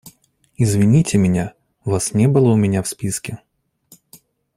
Извините меня, Вас не было у меня в списке.